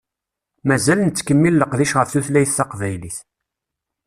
Mazal nettkemmil leqdic ɣef tutlayt taqbaylit.